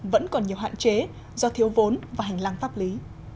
vẫn còn nhiều hạn chế do thiếu vốn và hành lang pháp lý